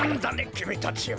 きみたちは。